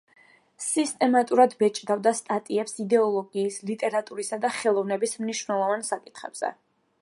სისტემატურად ბეჭდავდა სტატიებს იდეოლოგიის, ლიტერატურისა და ხელოვნების მნიშვნელოვან საკითხებზე.